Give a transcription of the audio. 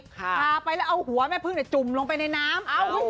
พาไปแล้วเอาหัวแม่พึ่งจุ่มลงไปในน้ำ